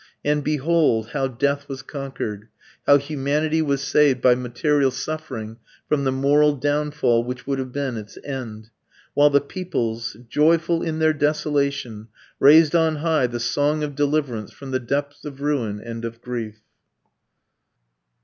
And behold how death was conquered; how humanity was saved by material suffering from the moral downfall which would have been its end; while the peoples, joyful in their desolation, raised on high the song of deliverance from the depths of ruin and of grief!